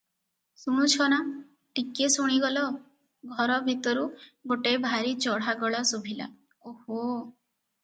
ଶୁଣୁଛ ନା – ଟିକିଏ ଶୁଣିଗଲ!” ଘର ଭିତରୁ ଗୋଟାଏ ଭାରି ଚଢ଼ା ଗଳା ଶୁଭିଲା, “ଓହୋ!